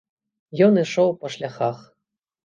Ён ішоў па шляхах.